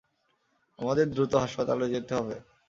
আমাদের দ্রুত হাসপাতালে যেতে হবে!